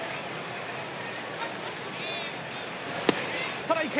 ストライク！